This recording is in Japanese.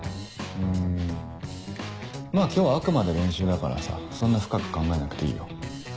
んまぁ今日はあくまで練習だからさそんな深く考えなくていいよ。